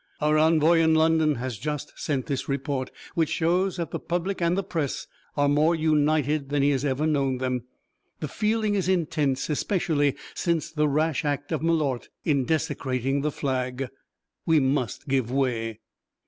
"Our envoy in London has just sent this report, which shows that the public and the Press are more united than he has ever known them. The feeling is intense, especially since the rash act of Malort in desecrating the flag. We must give way."